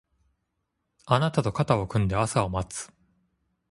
あなたと肩を組んで朝を待つ